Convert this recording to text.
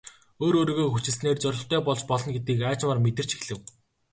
Өөрөө өөрийгөө хүчилснээр зорилготой болж болно гэдгийг аажмаар мэдэрч эхлэв.